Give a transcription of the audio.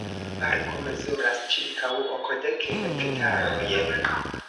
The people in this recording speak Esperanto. Parko mezuras ĉirkaŭ okdek hektarojn.